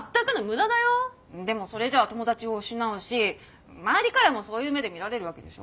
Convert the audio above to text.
でもそれじゃ友達を失うし周りからもそういう目で見られるわけでしょ？